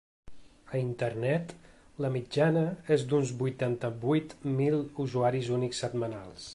A internet, la mitjana és d’uns vuitanta-vuit mil usuaris únics setmanals.